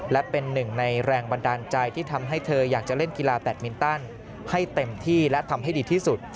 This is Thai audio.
และเป็นหนึ่งในแรงบันดาลใจที่ทำให้เธออยากจะเล่นกีฬาแบตมินตันให้เต็มที่และทำให้ดีที่สุด